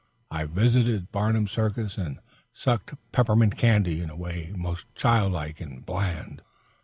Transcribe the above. I visited Barnum's circus and sucked peppermint candy in a way most childlike and bland.